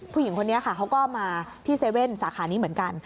ผู้หญิงคนนี้ค่ะเขาก็มาที่๗๑๑สาขานี้เหมือนกัน